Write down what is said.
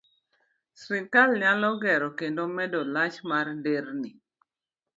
Sirkal nyalo gero kendo medo lach mar nderni